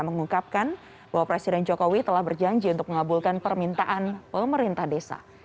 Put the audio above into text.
mengungkapkan bahwa presiden jokowi telah berjanji untuk mengabulkan permintaan pemerintah desa